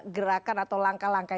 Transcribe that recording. gerakan atau langkah langkah